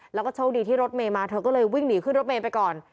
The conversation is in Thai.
แล้วก็โชคดีที่รถเมย์มาเธอก็เลยวิ่งหนีขึ้นรถเมย์ไปก่อน